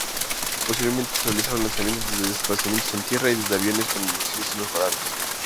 Posteriormente se realizaron lanzamientos desde emplazamientos en tierra y desde aviones con versiones mejoradas.